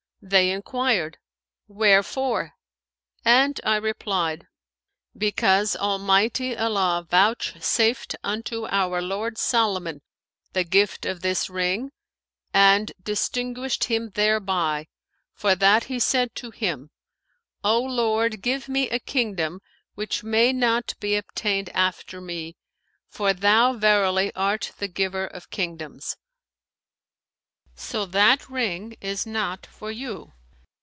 They enquired, 'Wherefore?' and I replied, 'Because Almighty Allah vouchsafed unto our lord Solomon the gift of this ring and distinguished him thereby, for that he said to him, 'O Lord, give me a kingdom which may not be obtained after me; for Thou verily art the Giver of kingdoms.[FN#520]' 'So that ring is not for you.'